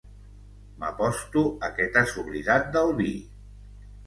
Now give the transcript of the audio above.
M'aposto a que t'has oblidat del vi!